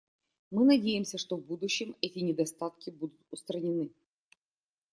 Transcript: Мы надеемся, что в будущем эти недостатки будут устранены.